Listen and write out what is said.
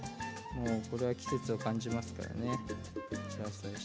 これは季節を感じますからね。